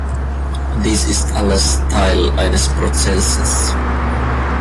Dies ist alles Teil eines Prozesses.